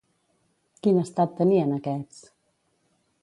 Quin estat tenien aquests?